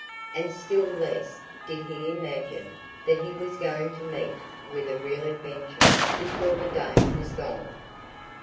And still less did he imagine that he was going to meet with a real adventure before the day was done.